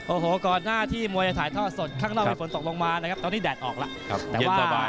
โอ้โหก่อนหน้าที่มวยจะถ่ายท่อสดข้างนอกมีฝนตกลงมานะครับตอนนี้แดดออกล่ะครับเย็นสบายเลยครับ